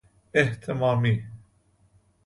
اهتمامی